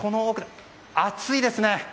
熱いですね。